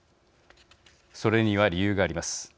それには理由があります。